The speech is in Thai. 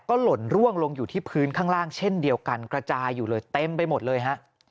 ก็หล่นร่วงลงอยู่ที่พื้นข้างล่างเช่นเดียวกันกระจายอยู่เลยเต็มไปหมดเลยฮะ